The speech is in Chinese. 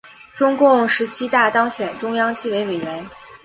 中共十七大当选中央纪委委员。